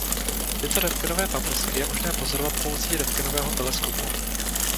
Tyto rentgenové paprsky je možné pozorovat pomocí rentgenového teleskopu.